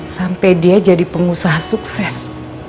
sampai dia jadi pengusaha sukses